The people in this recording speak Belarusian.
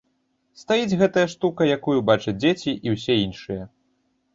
Стаіць гэтая штука, якую бачаць дзеці і ўсе іншыя.